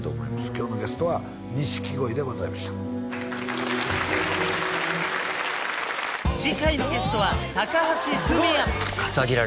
今日のゲストは錦鯉でございましたありがとうございました次回のゲストは高橋文哉雪